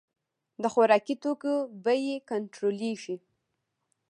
د خوراکي توکو بیې کنټرولیږي